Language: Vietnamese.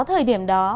thời điểm đó